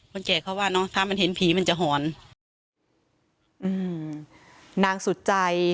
แก่เขาว่าเนอะถ้ามันเห็นผีมันจะหอนอืมนางสุดใจ